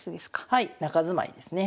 はい中住まいですね。